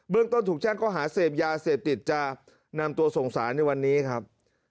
เบื้องต้นถูกแช่งก็หาเสพยาเสพติดจ้านำตัวสงสารในวันนี้ครับ